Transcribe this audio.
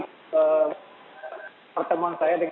beberapa kaki mata disuncing